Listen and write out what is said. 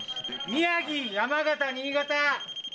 宮城、山形、新潟。